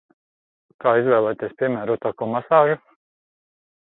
Kā izvēlēties piemērotāko masāžu?